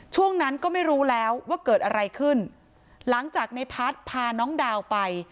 ช่วงนั้นก็ไม่รู้แล้วว่าเกิดอะไรขึ้นหลังจากในพัฒน์พาน้องดาวไป